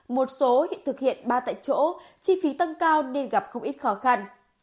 một số thực hiện ba tại chỗ chi phí tăng cao nên gặp không ít khó khăn